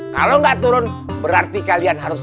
kalo gak turun berarti kalian harus